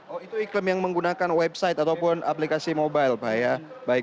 oh itu iklim yang menggunakan website ataupun aplikasi mobile pak ya